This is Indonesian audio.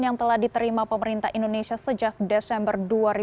yang telah diterima pemerintah indonesia sejak desember dua ribu dua puluh